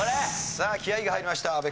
さあ気合が入りました。